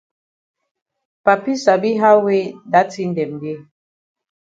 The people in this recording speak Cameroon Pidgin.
Papi sabi how wey dat tin dem dey.